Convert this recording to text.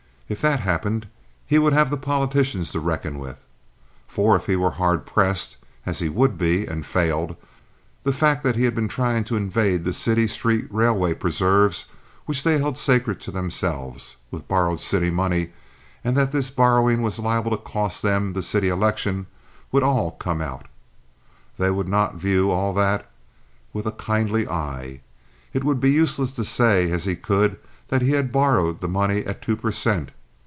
If that happened, he would have the politicians to reckon with. For, if he were hard pressed, as he would be, and failed, the fact that he had been trying to invade the city street railway preserves which they held sacred to themselves, with borrowed city money, and that this borrowing was liable to cost them the city election, would all come out. They would not view all that with a kindly eye. It would be useless to say, as he could, that he had borrowed the money at two per cent.